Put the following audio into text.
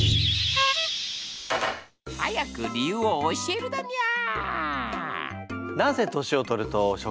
早く理由を教えるだにゃー！